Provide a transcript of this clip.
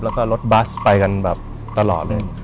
แล้วก็รถบัสไปกันแบบตลอดเลย